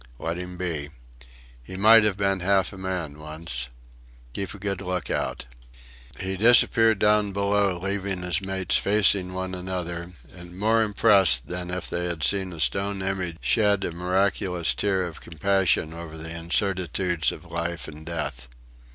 Let him be. He might have been half a man once... Keep a good look out." He disappeared down below, leaving his mates facing one another, and more impressed than if they had seen a stone image shed a miraculous tear of compassion over the incertitudes of life and death....